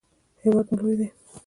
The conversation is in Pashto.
هیواد مو لوی ده.